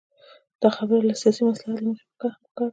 دا خبره له سیاسي مصلحت له مخې هم پکار ده.